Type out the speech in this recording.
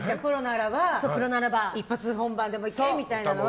プロならば一発本番でもいけみたいなのは。